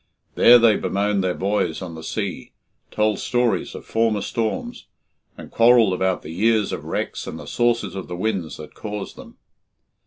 There they bemoaned their boys on the sea, told stories of former storms, and quarrelled about the years of wrecks and the sources of the winds that caused them.